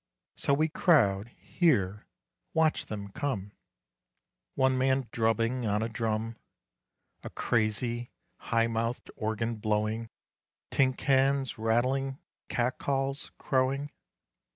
So we crowd: hear, watch them come One man drubbing on a drum, A crazy, high mouth organ blowing, Tin cans rattling, cat calls, crowing....